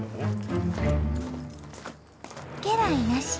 家来なし。